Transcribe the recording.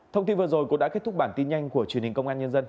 thông tin vừa rồi cũng đã kết thúc bản tin nhanh của truyền hình công an nhân dân